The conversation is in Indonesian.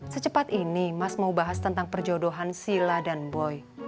secepat ini mas mau bahas tentang perjodohan sila dan boy